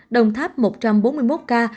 đồng tháp một trăm bốn mươi một ca